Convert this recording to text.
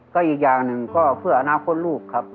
ก็อีกอย่างหนึ่งก็เพื่ออนาคตลูกครับ